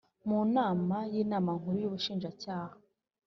mu nama y Inama Nkuru y Ubushinjacyaha